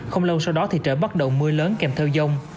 không lâu sau đó thì trời bắt đầu mưa lớn kèm theo dông